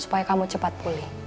supaya kamu cepat pulih